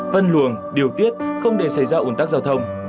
phân luồng điều tiết không để xảy ra ủn tắc giao thông